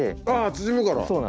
縮むから。